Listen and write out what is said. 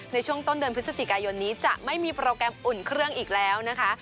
ในช่วงต้นเดือนพฤศจิกายนนี้จะไม่มีโปรแกรมอุ่นเครื่องอีกแล้วนะคะ